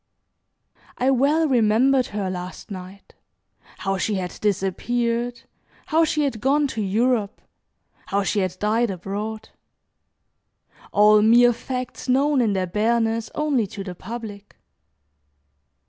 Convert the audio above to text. I well remembered her last night, how she had disappeared, how she had gone to Europe, how she had died abroad, all mere facts known in their bareness only to the public.